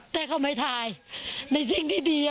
แต่เขาไม่ถ่ายในสิ่งที่ดี